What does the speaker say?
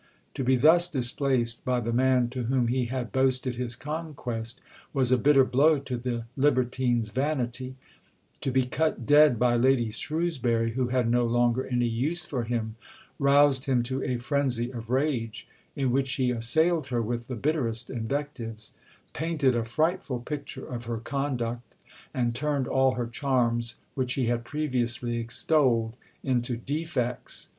To be thus displaced by the man to whom he had boasted his conquest was a bitter blow to the libertine's vanity; to be cut dead by Lady Shrewsbury, who had no longer any use for him, roused him to a frenzy of rage in which he assailed her with the bitterest invectives; "painted a frightful picture of her conduct, and turned all her charms, which he had previously extolled, into defects."